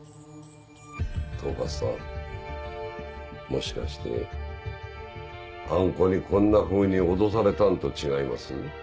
もしかしてあん子にこんなふうに脅されたんと違います？